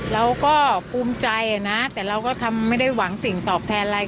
เราก็ภูมิใจนะแต่เราก็ทำไม่ได้หวังสิ่งตอบแทนอะไร